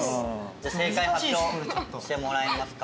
じゃあ正解発表してもらえますか？